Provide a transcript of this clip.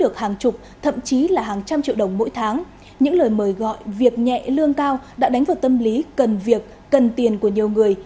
các lời mời gọi việc nhẹ lương cao đã đánh vào tâm lý cần việc cần tiền của nhiều người